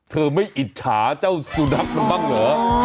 เธอไม่อิจฉาเจ้าสุนัขมันบ้างเหรอ